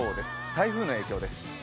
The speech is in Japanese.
台風の影響です。